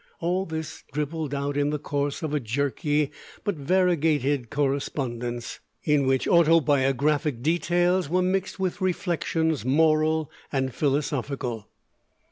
All this dribbled out in the course of a jerky but variegated correspondence, in which autobiographic details were mixed with reflections moral and philosophical.